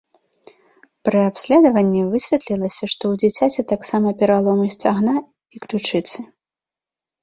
Пры абследаванні высветлілася, што ў дзіцяці таксама пераломы сцягна і ключыцы.